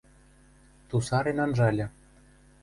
Тусарен анжальы.